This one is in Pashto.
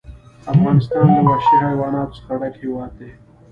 افغانستان له وحشي حیواناتو څخه ډک هېواد دی.